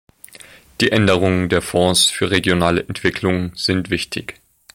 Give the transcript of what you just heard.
Die Änderungen der Fonds für regionale Entwicklung sind wichtig.